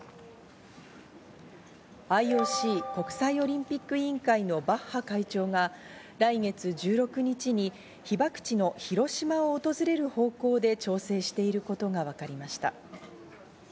ＩＯＣ＝国際オリンピック委員会のバッハ会長が来月１６日に被爆地の広島を訪れる方向で調整していることが分かりました。